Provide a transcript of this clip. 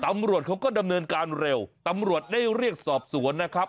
ตำรวจเขาก็ดำเนินการเร็วตำรวจได้เรียกสอบสวนนะครับ